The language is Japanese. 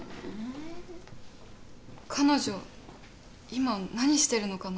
彼女今何してるのかな？